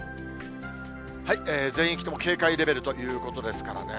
全域とも警戒レベルということですからね。